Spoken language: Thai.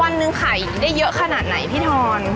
วันหนึ่งขายได้เยอะขนาดไหนพี่ทอน